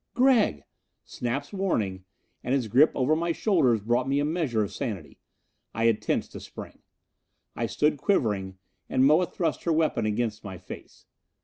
"Gregg!" Snap's warning, and his grip over my shoulders brought me a measure of sanity. I had tensed to spring. I stood quivering, and Moa thrust her weapon against my face.